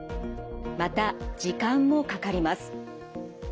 また時間もかかります。